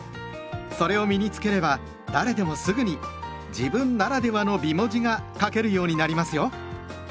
それを身に付ければ誰でもすぐに「自分ならではの美文字」が書けるようになりますよ。